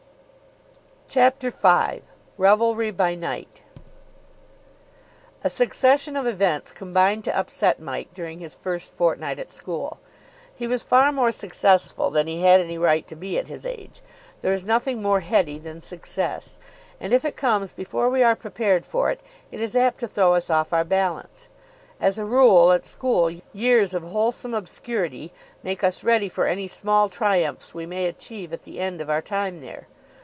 CHAPTER V REVELRY BY NIGHT A succession of events combined to upset Mike during his first fortnight at school. He was far more successful than he had any right to be at his age. There is nothing more heady than success, and if it comes before we are prepared for it, it is apt to throw us off our balance. As a rule, at school, years of wholesome obscurity make us ready for any small triumphs we may achieve at the end of our time there.